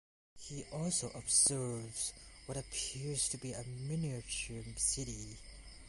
He also observes what appears to be a miniature city.